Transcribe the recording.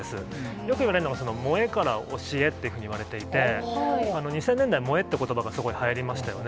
よくいわれるのが、萌えから推しへっていうふうにいわれていて、２０００年代、萌えということばがすごくはやりましたよね。